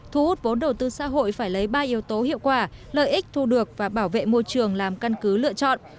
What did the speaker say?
thu hút vốn đầu tư xã hội phải lấy ba yếu tố hiệu quả lợi ích thu được và bảo vệ môi trường làm căn cứ lựa chọn